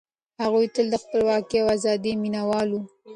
هغوی تل د خپلواکۍ او ازادۍ مينه وال وو.